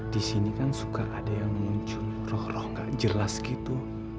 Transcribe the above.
di sini kan suka ada yang mengunjung roh roh gak jelas gitu